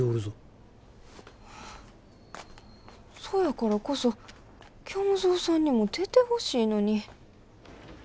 そやからこそ虚無蔵さんにも出てほしいのに。